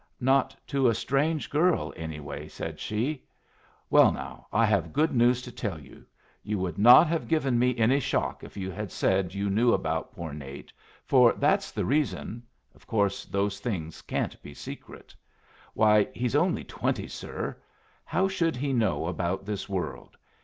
"Not to a strange girl, anyway!" said she. "Well, now I have good news to tell you. You would not have given me any shock if you had said you knew about poor Nate, for that's the reason Of course those things can't be secrets! Why, he's only twenty, sir! How should he know about this world?